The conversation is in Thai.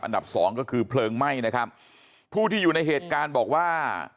สองก็คือเพลิงไหม้นะครับผู้ที่อยู่ในเหตุการณ์บอกว่า